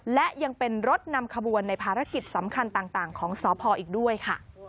และยังเป็นรถนำขบวนในภารกิจสำคัญต่างของสพอีกด้วยค่ะ